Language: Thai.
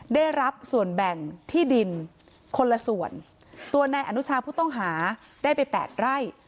ได้รับส่วนแบ่งที่ดินคนละส่วนตัวนายอนุชาผู้ต้องหาได้ไปแปดไร่